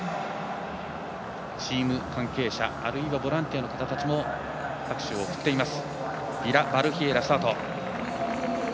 チーム関係者、あるいはボランティアの方たちも拍手を送っています。